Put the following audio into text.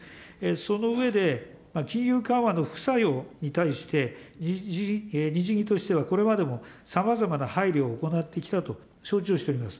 その上で、金融緩和の副作用に対して、日銀としてはこれまでもさまざまな配慮を行ってきたと承知をしております。